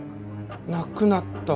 亡くなった？